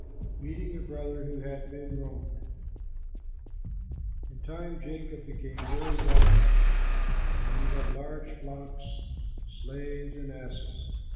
MEETING A BROTHER WHO HAD BEEN WRONGED In time Jacob became very wealthy, and he had large flocks, slaves, and asses.